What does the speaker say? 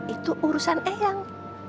itu urusan eang